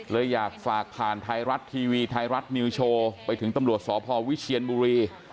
เลยอยากฝากผ่านไทยรัฐทีวีไทยรัฐนิวโชว์ไปถึงตำรวจสพวิเชียนบุรี